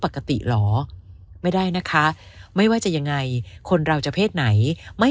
ปกติเหรอไม่ได้นะคะไม่ว่าจะยังไงคนเราจะเพศไหนไม่